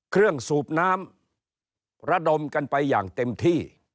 สูบน้ำระดมกันไปอย่างเต็มที่